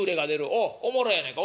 おうおもろいやないか。